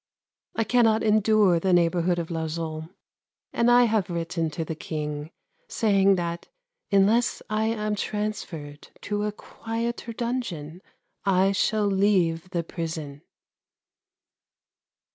I cannot endure the neighbourhood of Lauzun, and I have written to the King saying that unless I am transferred to a quieter dungeon I shall leave the prison.